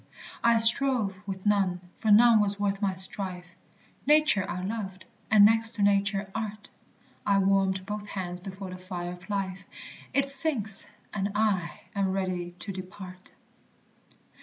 I strove with none, for none was worth my strife; Nature I loved, and next to Nature, Art; I warmed both hands before the fire of life, It sinks, and I am ready to depart.